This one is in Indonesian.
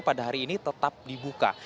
pada hari ini tetap dibuka